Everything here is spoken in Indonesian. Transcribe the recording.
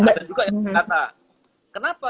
ada juga yang kata kenapa